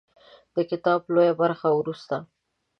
د کتاب لویه برخه وروسته